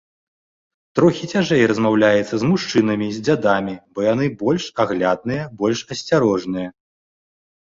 Трохі цяжэй размаўляецца з мужчынамі, з дзядамі, бо яны больш аглядныя, больш асцярожныя.